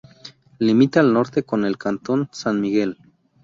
Limita al norte con el cantón San Miguel.